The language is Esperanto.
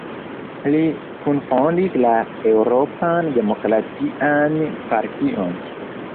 Li kunfondis la Eŭropan Demokratian Partion.